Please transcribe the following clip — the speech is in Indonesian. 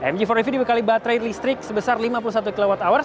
mg empat ev dibekali baterai listrik sebesar lima puluh satu kwh